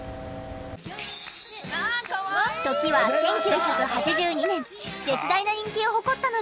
時は１９８２年絶大な人気を誇ったのが。